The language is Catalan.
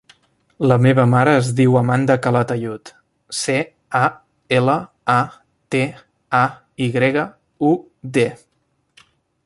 La meva mare es diu Amanda Calatayud: ce, a, ela, a, te, a, i grega, u, de.